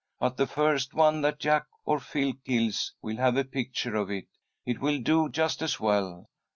"But the first one that Jack or Phil kills we'll have a picture of it. It will do just as well.